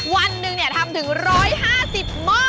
วันหนึ่งทำถึง๑๕๐หม้อ